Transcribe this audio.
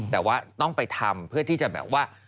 แต่ว่าต้องไปทำเพื่อที่จะแบบว่า